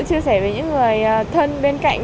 chia sẻ với những người thân bên cạnh